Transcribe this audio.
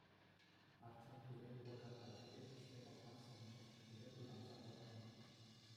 Архим пире курка пачӗ те ӗҫсе пӑхма сӗнчӗ, эпир тутанса пӑхрӑмӑр.